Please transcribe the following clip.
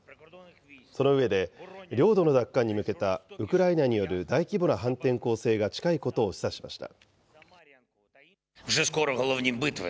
その上で、領土の奪還に向けたウクライナによる大規模な反転攻勢が近いことを示唆しました。